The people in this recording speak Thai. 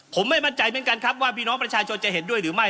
ผมไม่มั่นใจเหมือนกันครับว่าพี่น้องประชาชนจะเห็นด้วยหรือไม่